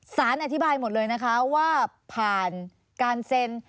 สารอธิบายหมดเลยนะคะว่าผ่านการเซ็น